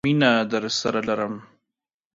مينه درسره لرم.